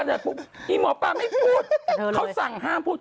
แล้วอีหมอป้าไม่พูดเขาสั่งห้ามพูด